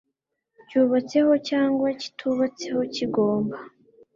cyubatseho cyangwa kitubatseho kigomba